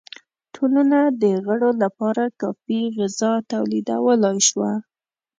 ټولنه د غړو لپاره کافی غذا تولیدولای شوه.